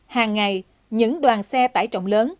hàng ngày những đoàn xe tải trọng lớn